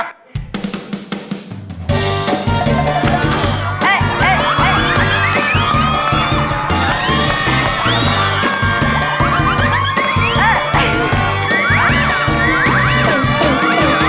เดี๋ยว